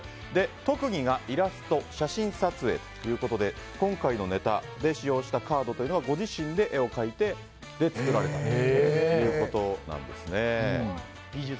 特技がイラスト写真撮影ということで今回のネタで使用したカードはご自身で絵を描いて作られたということなんですね。